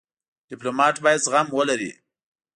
ډيپلومات باید زغم ولري.